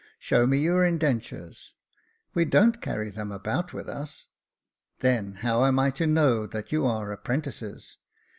" Show me your indentures." " We don't carry them about with us." " Then, how am I to know that you are apprentices